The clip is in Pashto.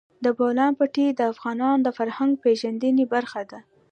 د بولان پټي د افغانانو د فرهنګي پیژندنې برخه ده.